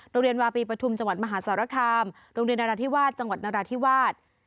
โรงเรียนวาปีปฐุมจังหวัดมหาสารคามโรงเรียนนราธิวาสจังหวัดนราธิวาส